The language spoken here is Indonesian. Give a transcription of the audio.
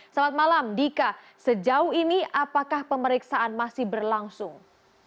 selamat malam dika sejauh ini apakah pemeriksaan masih berlangsung